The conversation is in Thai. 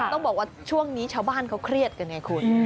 ต้องบอกว่าช่วงนี้ชาวบ้านเขาเครียดกันไงคุณ